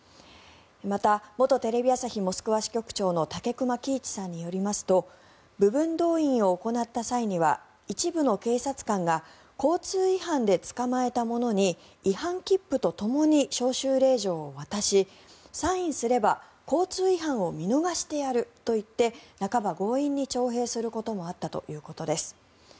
また元テレビ朝日モスクワ支局長の武隈喜一さんによりますと部分動員を行った際には一部の警察官が交通違反で捕まえた者に違反切符とともに招集令状を渡しサインすれば交通違反を見逃してやると言って半ば強引に徴兵することもあったということです。